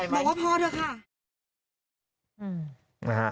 บอกว่าพอเถอะค่ะ